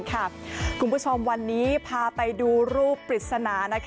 คุณผู้ชมวันนี้พาไปดูรูปปริศนา